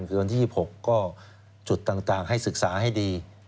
คือวันที่๒๖ก็จุดต่างให้ศึกษาให้ดี